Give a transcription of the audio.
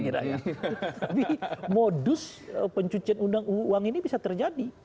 ini modus pencucian uang ini bisa terjadi